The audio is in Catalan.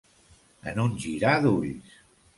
En un girar d'ulls.